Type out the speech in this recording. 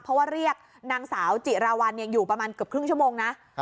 เพราะว่าเรียกนางสาวจิราวัลอยู่ประมาณเกือบครึ่งชั่วโมงนะ